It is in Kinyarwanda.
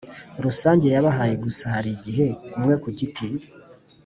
rusange yabahaye gusa hari igihe umwe ku giti